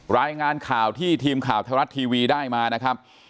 รายงานข่าวที่ทีมข่าวไทยรัฐทีวีได้มานะครับ